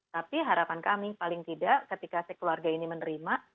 tapi harapan kami paling tidak ketika sekeluarga ini menerima